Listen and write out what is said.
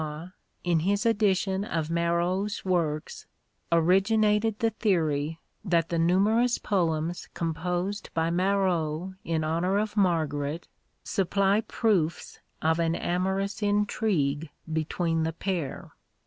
Lenglet Dufresnoy, in his edition of Marot's works, originated the theory that the numerous poems composed by Marot in honour of Margaret supply proofs of an amorous intrigue between the pair.